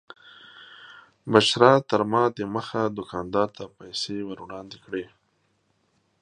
بشرا تر ما دمخه دوکاندار ته پیسې ور وړاندې کړې.